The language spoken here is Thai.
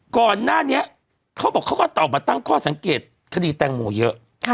ก่อนหน้านี้เขาบอกเขาก็ออกมาตั้งข้อสังเกตคดีแตงโมเยอะ